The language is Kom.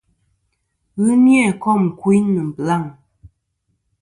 Ghɨ ni-a kôm kuyn nɨ̀ blaŋ.